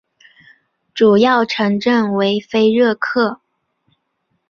主要城镇为菲热克。